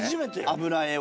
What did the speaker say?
油絵を？